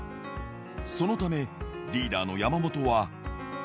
そのため、リーダーの山本は。